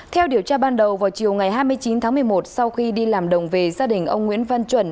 theo điều tra ban đầu vào chiều ngày hai mươi chín tháng một mươi một sau khi đi làm đồng về gia đình ông nguyễn văn chuẩn